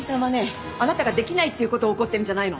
あなたができないっていうことを怒ってるんじゃないの。